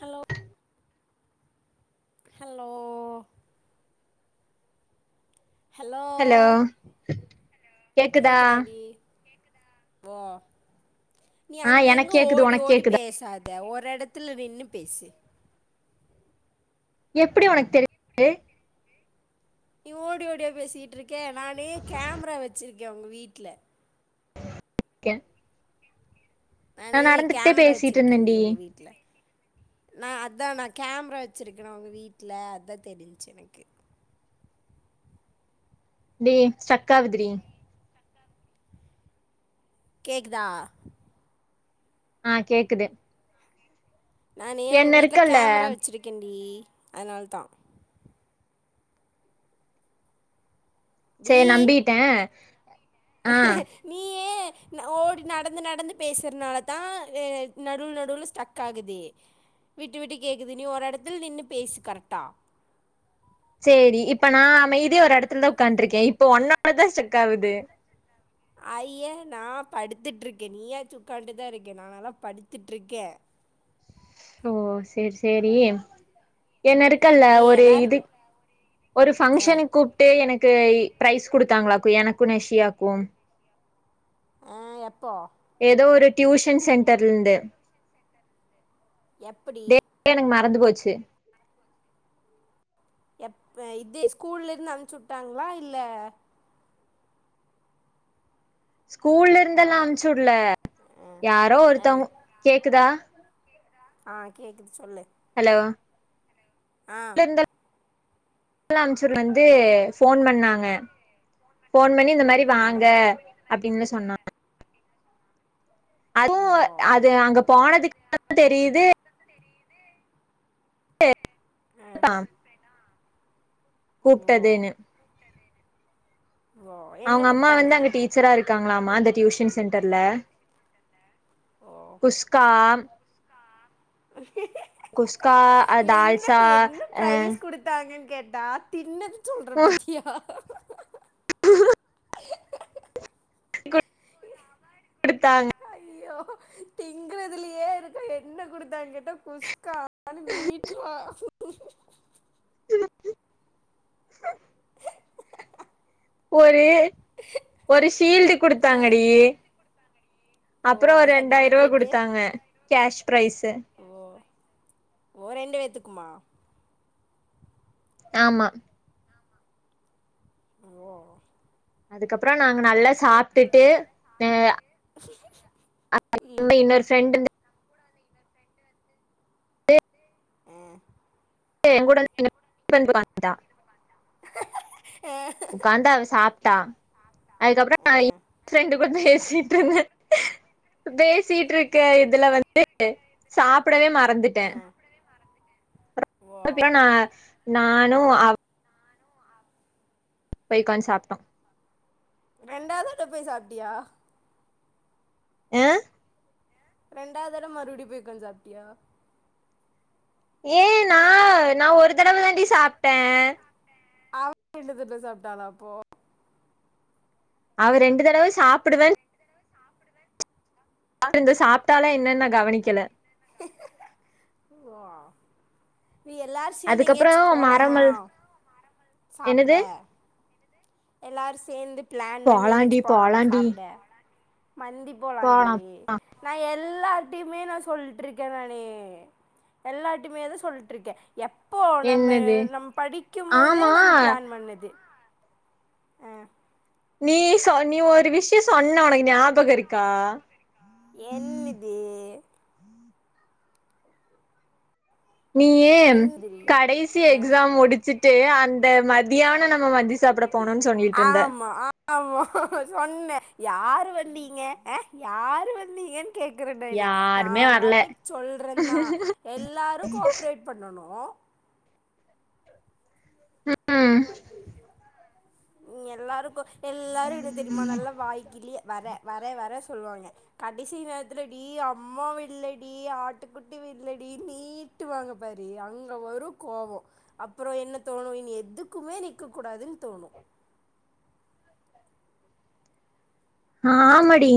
Hello hello hello கேக்குதா கேக்குது நீ ஆ அங்க எனக்கு இங்க கேக்குது ஓடி உனக்கு ஓடி கேக்குதா பேசாத த ஒரு எடத்துல நின்னு பேசு எப்டி உனக்கு தெரிஞ்சது நீ ஓடி ஓடியா பேசிட்டு இருக்கே நானே கேமரா வச்சிருக்கே உங் வீட்ல கே நானே கேமரா பேசிட்டு வச்சிருக்கேன்டி இருந்தேன்டி உங்க வீட்ல நா அதா நா கேம்ரா வெச்சிருக்கிற உங்க வீட்ல அதா தெரிஞ்சு எனக்கு டி ஸ்டிரக் ஆவுது டி கேக்குதா ஆஹ் கேக்குது நானு உங்க என்ன வீட்ல இருக்கல்ல கேமரா வெச்சிருக்கன் டி அதனால்தா சேரி டி நம்பிட்ட நீயே ஓடி நடந்து நடந்து பேசுறனாலதா நடுவுல நடுவுல ஸ்டிரக் ஆகுது விட்டு விட்டு கேக்குது நீ ஒரு எடத்துல நின்னு பேசு கரெக்டா சேரி இப்ப நா அமைதியா ஒரு எடத்துலதா உக்காண்டுருக்க இப்ப உன்னாலதா ஸ்ட்ரக் ஆகுது ஐய்ய நா படுத்துட்டு இருக்க நீயாச்சு உக்காண்டுதா இருக்க நா எல்லா படுத்துட்டு இருக்க ஓ சேரி சேரி என்ன இருக்கல்ல நீ ஒரு எல்லார் இது ஒரு ஆ ஃபங்க்ஷனுக்கு கூப்ட்டு எனக்கு க்கு பிரைஸ் குடுத்தாங்களாக்கு எனக்கு நிஷியாக்கு ஆ, எப்போ எதோ ஒரு டியூஷன் சென்டர்ல இருந்து எப்படி றந்து போச்சு எப்ப இதே ஸ்கூல்ல இந்து அனுப்புச்சு விட்டாங்களா இல்ல ஸ்கூல்ல இருந்தெல்லா ஹலோ அம்ச்சுவிடல யாரோ ஒருத்தவங் கேக்குதா ஆஹ் கேக்குது சொல்லு ஹலோ ஆஹ் லம்ச்சர் வந்து ஃபோன் பண்ணாங்க போன் பண்ணி இந்த மாரி ஆ வாங்க அப்டின்னு சொன்னா அதுவு வோ அது அங்க போனதுக்கு அப்புறோந்தா தெரிது ஆஹ் கூப்பிட்டதுனு வோ என்ன அவுங்க அம்மா வந்து அங்க கொடுத்தாங்க டீச்சரா இருக்காங்களாமா அந்த டியூஷன் சென்டர்ல ஓ குஷ்கா குஸ்கா அ என்ன தால்சா என்ன அ பிரைஸ் குடுத்தாங்கன் கேட்டா தின்னது சொல்ற பத்தியா எடுத்தாங் ஐயோ திங்குறதுலயே இருக்கே என்ன குடுத்தா எங்கிட்ட குஸ்கா [unintelligible] நீட்ரா ஹ் ம் ஒரு ஒரு ஷீல்டு அஹ், குடுத்தாங்கடி ஓ அப்புற ஒரு ரெண்டாயிரூவ சர்டிஃபிகேட்டு குடுத்தாங்க கேஷ் பிரைஸ்சு ஓ ஓ ரெண்டு வேத்துக்குமா ஆமா ஓ அதுக்கப்பு ற நாங்க நல்லா சரி சாப்டுட்டு எ ம் [inaudible] இன்னொரு ஃப்ரெண்டு [inaudible] எ என்கூட [inaudible] வந்தா ஆ உக்காந்து அவ சாப் டா அதுக்கப்புற ஆ [inaudible] ஃபிரண்டு கூட பேசிட்ருந்தே பேசிட்டு இருக்க இதுல வந்து சாப்பிடவே மாட் வந்துட்டே ஆ. ஓ [unintelligible] நானு அவ [inaudible] போய் உக்காந் சாப்டோ ரெண்டாது தடவ போய் சாப்டியா எ ரெண்டாது தடவ மறுடியு போய் உக்காந் சாப்டியா ஏ நா நா ஒரு தடவ தாண்டி சாப்டே [inaudible] தடவ சாப்டாலா அப்போ அவ ரெண்டு தடவ சாப்பிடுவேன் [inaudible] சாப்பிட்டால என்னன் நா கவனிக்கல ஹ ஹ ஓ [unintelligible] எல்லாரு சேந்து அதுக்கப்றோ எங்கயாச்சு போலாமா மறமல் சாப்பிட என்னது எல்லார் சேந்து பிளான் பண்ணி போலாண்டி எங்கயாச்சு போலாமா போலாண்டி சாப்பிட மந்தி போலாண்டி போலாம் நா எ ல்லார்டைமே நா சொல்ட்ருக்கே நானே எல்லார்ட்டைமே தா சொல்ட்ருக்கே எப்போ நம்ம என்னது நம்ம படிக்கு போதே ஆமா நம்ம பிளான் பண்ணது ஆ நீ சொ நீ ஒரு விஷ்ய சொன்ன உனக்கு ஞாபக இருக்கா என்னுது நீயி என்னதுடி கடைசி ஆ எக்ஸாம் முடிச்சுட் அந்த மதியான நம்ம மந்தி சாப்பிட ஆமா ஆமா சொன்னே யார் வந்தீங்க யார் வந்தீங்கன்னு கேக்குறேன் யாருமே நான் வரல பாட்டுக்கு சொல்றேந்தான் எல்லாரும் கோஆப்ரேட் பண்ணணும் ம் உம் எல்லாருக்கும் எல்லாரும் எப்டி தெரியுமா நல்லா வாய்கிலியே வரேன் வரேன் சொல்லியே சொல்லுவாங்க கடைசி நேரத்துலடி அம்மா வில்லடி ஆட்டுக்குட்டி வில்லடி நீட்டுவாங்க பாரு அங்க ஒரு கோபம் அப்புறம் என்ன தோணும் இனி எதுக்குமே நிக்க கூடாதுன்னு தோணும் ஆமாடி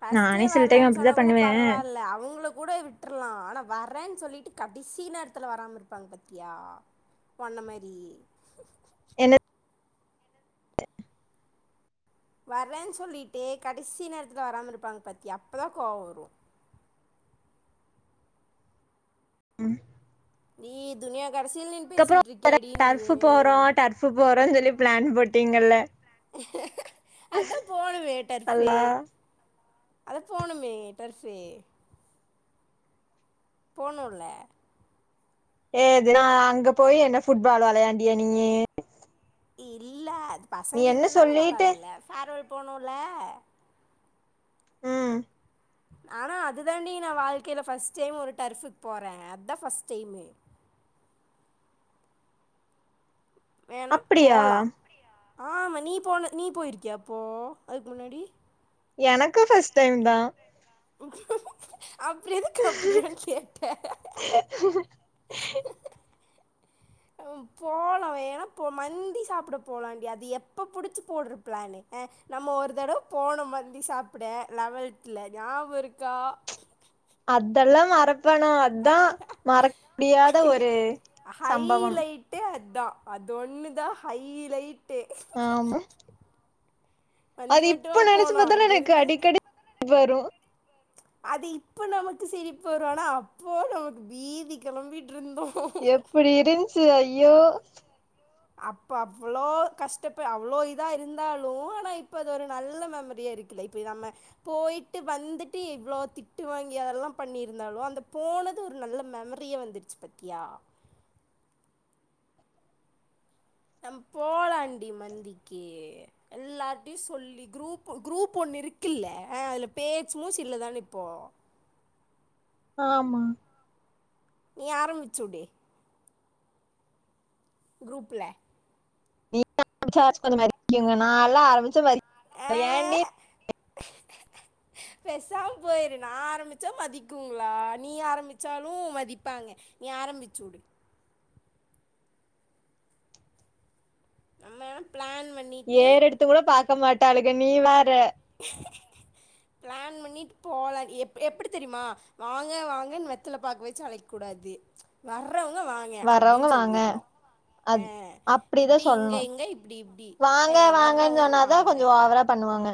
பஸ்டே நானே சில டைம் வரலன்னு சொன்னா அப்டித்தா கூட பண்ணுவே பரவாயில்ல அவங்களுக்கு கூட விட்டுரலாம் ஆனா வர்ரேன்னு சொல்லிட்டு கடைசி நேரத்துல வராம இருப்பாங்க பத்தியா ஒன்ன மாரி என்ன வர்றேன்னு சொல்லிட்டு கடைசி நேரத்துல வராம இருப்பாங்க பாத்திய அப்பதான் கோவம் வரும் உம் நீயே [unintelligible] அதுக்கப்புறம் டர்ஃபு போறோம் டர்ஃப் போறோன்னு சொல்லி பிளான் போட்டிங்கல்ல உ அதான் போனும்மே டர்ஃப் அல்லா அத போணுமே டர்ஃபி போனோல ஏது நான் அங்க போய் என்ன ஃபுட்பால் விளையாண்டிய நீயி இல்ல நீ பசங்க என்ன இருந்தது சொல்லிட்டு நால [unintelligible] போணுல ம்ம் ஆனா அது தாண்டி நான் வாழ்க்கையில பர்ஸ்ட் டைம் ஒரு டர்புக்கு போறேன் அதுதான் பஸ்ட் டைமு வேணாம் அப்டியா போலாம் ஆமா நீ போன நீ போயிருக்கிய அப்போ அதுக்கு முன்னாடி எனக்கும் ஃபர்ஸ்ட் டைம் தான் [unintelligible] அப்புறம் எதுக்கு அப்படியா கேட்ட போலம் ஏன்னா மந்தி சாப்பிட போலாம்ண்டி அது எப்ப புடிச்சு போடுற பிளானு நம்ம ஒரு தடவை போனோம் மந்தி சாப்பிட லெவெல்த் ல ஞாபகம் இருக்கா அதெல்லாம் மற ப்பனா அதா மற முடியாத ஒரு சம்பவம் தான் அது ஒன்னு தான் ஹைலைட் ஆ ஆமா. மந்தி அது இப்ப மட்டுமா நினைச்ச போனோம் பத்தான எனக்கு அங்கேருந்து அடிக்கடி வரும் அது இப்ப நமக்கு சிரிப்பு வரும் ஆனா அப்போ நமக்கு பீதி கிளம்பி எப்படி இருந்துச்சு ஐ ஐயோ அப்ப அவ்ளோ கஷ்டப்ப அவ்ளோ இதா இருந்தாலு ஆனா இப்ப அது ஒரு நல்ல மெமரியா இருக்குல்ல இப்போ நம்ம போயிட்டு வந்துட்டு இவ்வளவு திட்டு வாங்கி அதெல்லாம் பண்ணிருந்தாலு அந்த போனது ஒரு நல்ல மெமரியா வந்துருச்சு பத்தியா நம்ம போலாண்டி மந்திக்கு எல்லாரிட்டையு சொல்லி குரூப் குரூப் ஒண்ணு இருக்குல்ல ஆஹ் அதுல பேச்சு மூச்சு இல்லதான இப்போ ஆமா நீ ஆரம்பிச்சுடு குரூப்ல [inaudible] நாலா ஆரம்பிச்சா [inaudible] ஏன்டி பெசாம போயிரு நா ஆரம்பிச்சா மதிக்குங்ளா நீ ஆரம்பிச்சாலும் மதிப்பாங்க நீ ஆரம்பிச்சுடு நம்ம பிளான் பண்ணிட்டு ஏறெடுத்து கூட பாக்க மாட் டாளுக நீ வேற பிளான் பண்ணிட்டு போல எப்டி எப்பிடி தெரியுமா வாங்க வாங்கன்னு வெத்தல பாக்கு வச்சி அழைக்க கூடாது வர் றவங்க வாங்க வர்றவங்க அப்படின்னு வாங்க சொல்லிர்ணு அது ஆஹ் அப்டிதா இப்டி இங்க சொல்லணு இங்க இப்டி இப்டி வாங்க வாங்கன்னு வர்றவங்க சொன்னாதா வாங்க கொஞ்ச ஓவரா பண்ணுவாங்க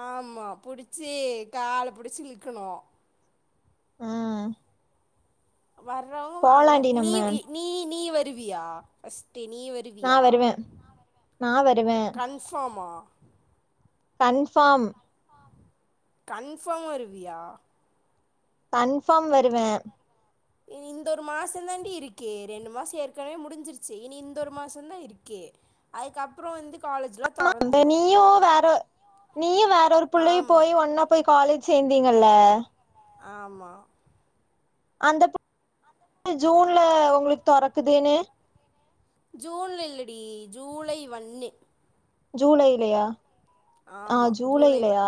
ஆமா புடிச்சு கால புடிச்சு இழுக்கணு ஆஹ் வர்றவ்ங்க வாங்க நீ நம்ம நீ நீ வ ருவியா ஃபர்ஸ்ட் ட்டு நீ நா வருவியா வருவே நா வருவே கன்ஃபார்மா கன்ஃபார்ம் கன்ஃபார்ம் வருவியா கன்ஃபார்ம் வருவே இந்தொரு மாசந்தான்டி இருக்கே ரெண்டு மாச ஏற்கனவே முடிஞ்சிருச்சு இனி இந்தொரு மாசந்தா இருக்கு அதுக்கப்புற வந்து காலேஜ்லா ஆமா தொறந்துரு நீயு வேற நீயு வேற ஒரு புள்ளையு ஆமா போய் ஒன்னா போய் காலேஜ் சேந்தீங்கல்ல ஆமா அந்தபுள்ள ஜூன்ல ஒங்களுக்கு தொறக்குதுன்னு ஜூன்ல இல்லடி ஜூலை ஒன்னு ஜூலைலையா ஆஹ் ஆமா ஜூலை ஒன் ஜூலைலையா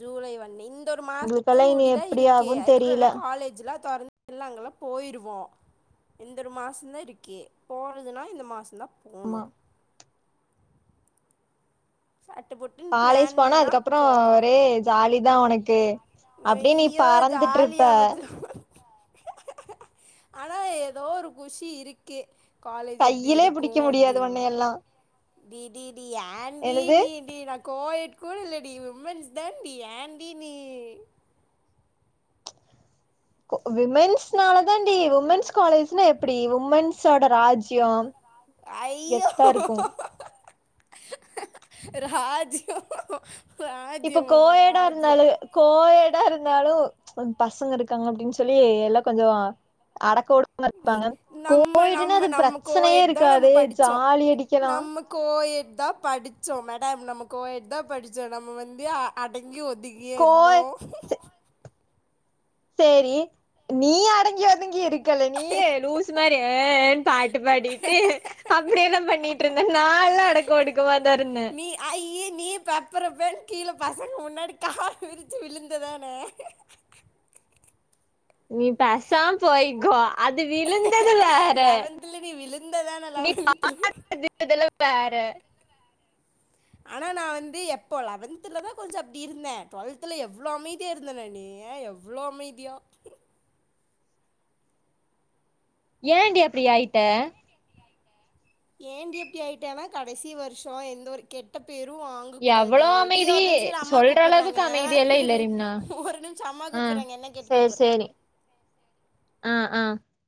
ஜூலை வண்ணு இங் ஒரு மாச உங்களுக்கெல்லா இனி கூடிதா எப்டி இருக்கு ஆகுன் அதுக்கப்புற தெரில எல்லா காலேஜ்ல தொறந்து நாங்கல்லா போயிருவோ இந்தொரு மாசந்தா இருக்கு போறதுன்னா இந்த மாசந்தா போணு ஆமா சட்டு போட்டுன்னு காலேஜ் பிளான் போனா பண்ணால் அதுக்கப்புற ஒரே ஜாலி தா ஒனக் கு வெய்யோ ஜாலியா மச்ச ஆனா ஏதோ ஒரு குஷி இருக்கு காலேஜ் எப்படி கையிலயே புடிக்க இருக்கும் முடியாது உன்னய அப்படின்லாம் எல்லா டி டி டி ஏண்டி நீ டி கோயட் கூட இல்லடி உமன்ஸ் தாண்டி ஏண்டி நீ ஒ உமன்ஸ்னாலதான்டி உமன்ஸ் காலேஜ்னா எப்டி உமன்ஸோட ராஜ்யொ ஐயோ ராஜ்யொ இப்ப கோயடா இருந்தாலு கோயடா இருந்தாலு பசங்க இருக்காங்க அப்டின் சொல்லி எல்லா கொஞ்சொ அடக் நம்ம நம்ம நம்ம பிரச்சனையே கோயேட்தா நம்ம இருக்காது படிச்சோ ஜாலி அடிக்கலா நம்ம கோயெ ட்தா படிச்சோ மேடம் நம்ம கோயட்தா படிச்சோ நம்ம வந்து அட ங்கி ஒதுங்கியா கோய இருந்தோ சே சேரி நீ அடங்கி வதங்கி இருக் கல நீ லூசு மாரி ஏ ஏன்ட்டு பாட்டு பாடிட்டு அப்டியெல்லா பண்ணிட்ருந்த நால்லா அடக்கொ ஒடுக்கமாதா இருந்தே நீ ஐயே நீ பெப்பறப்பேன் கீழ பசங்க முன்னாடி கால் விரிச்சு விழுந்ததான நீ பேசாம் போய் க்கோ அது விழுந்தது வேற லெவன்த்தில் நீ விழுந்ததானே நீ லெவன்த்தில் [inaudible] வேற ஆனா நா வந்து எப்போ லெவன்த்துலதா கொஞ்சொ அப்டி இருந்த டுவெல்த்துல எவ்ளோ அமைதியா இருந்தனடி எவ்ளோ அமைதியா ஏன்டி அப்டி ஆயிட்ட ஏண்டி அப்டி ஆயிட்டேனா கடசி வர்ஷொ எந்த ஒரு கெட்டப் பேரு வாங்கக் எவ்ளோ கூடாது டி அமைதி ஒரு நிம்ஷொ அம்மா சொல்ற கூப்புர்றாங்க அளவுக்கு அமைதியெல்லா இல்ல இரு ரிம்னா ஒரு நிமிஷொ அம்மா ஆ கூப்புர்றாங்க என்ன கேட்டு சேரி கூப்புர்ற சேரி ஆ ஆ